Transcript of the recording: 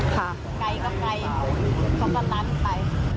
ไกลก็ไกลต้องกำลังไป